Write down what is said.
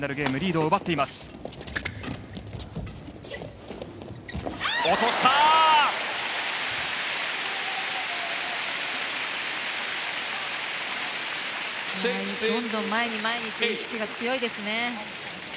どんどん前に前にという意識が強いですね。